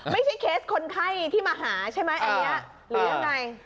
เคสคนไข้ที่มาหาใช่ไหมอันนี้หรือยังไง